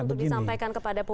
untuk disampaikan kepada publik